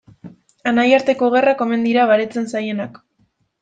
Anaiarteko gerrak omen dira baretzen zailenak.